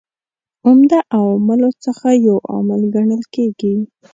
عمده عواملو څخه یو عامل کڼل کیږي.